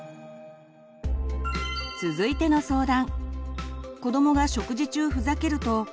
続いての相談。